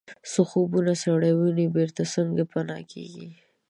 څه خوبونه سړی ویني بیرته څنګه پناه کیږي